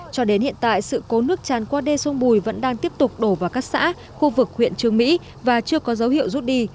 cho đến hiện tại sự cố nước tràn qua đê sông bùi vẫn đang tiếp tục đổ vào các xã khu vực huyện trường mỹ và chưa có dấu hiệu rút đi